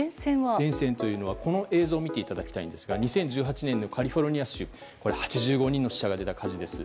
こちらの映像を見ていただきたいんですが２０１８年のカリフォルニア州８５人の死者が出た火事です。